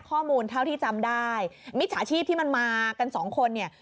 ข้อมูลเท่าที่จำได้มิจฉาชีพที่มันมากันสองคนเนี่ย